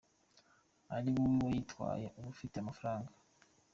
Ari wowe wayitwaye uba ufite amafaranga.